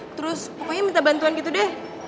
terus pokoknya minta bantuan gitu deh